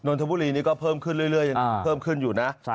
นทบุรีนี่ก็เพิ่มขึ้นเรื่อยยังเพิ่มขึ้นอยู่นะ